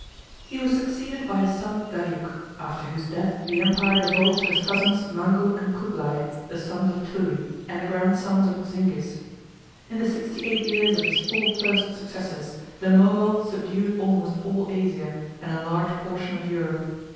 He was succeeded by his son Gayuk, after whose death the empire devolved to his cousins Mangou and Cublai, the sons of Tuli, and the grandsons of Zingis. In the sixty eight years of his four first successors, the Mogul subdued almost all Asia, and a large portion of Europe.